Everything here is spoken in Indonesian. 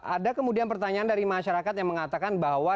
ada kemudian pertanyaan dari masyarakat yang mengatakan bahwa